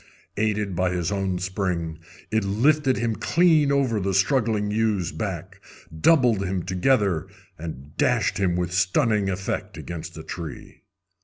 Aided by his own spring, it lifted him clean over the struggling ewe's back, doubled him together, and dashed him with stunning effect against a tree.